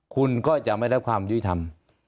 คุณก็จะไม่ได้รับความยุติธรรม